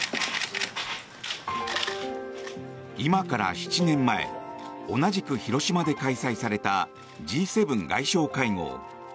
今から７年前同じく広島で開催されたＧ７外相会合。